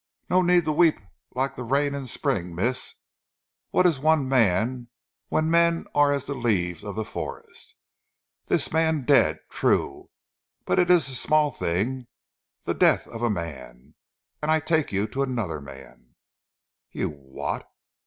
"No need to weep lik' zee rain in spring, mees! What ees one man when men are as zee leaves of zee forest? Dis man dead! True but eet ees a small ting zee death of a man. An' I tak' you to anodder man " "You will what?"